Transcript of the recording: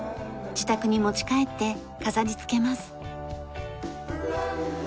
自宅に持ち帰って飾り付けます。